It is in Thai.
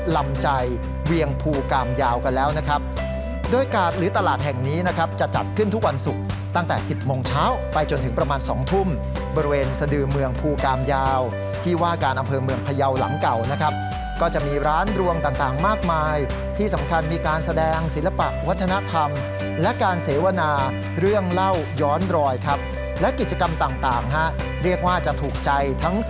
ลำใจเวียงภูกามยาวกันแล้วนะครับโดยกาดหรือตลาดแห่งนี้นะครับจะจัดขึ้นทุกวันศุกร์ตั้งแต่๑๐โมงเช้าไปจนถึงประมาณ๒ทุ่มบริเวณสดือเมืองภูกามยาวที่ว่าการอำเภอเมืองพยาวหลังเก่านะครับก็จะมีร้านรวงต่างต่างมากมายที่สำคัญมีการแสดงศิลปะวัฒนธรรมและการเสวนาเรื่องเล่าย้อนรอยครับและกิจกรรมต่างฮะเรียกว่าจะถูกใจทั้งส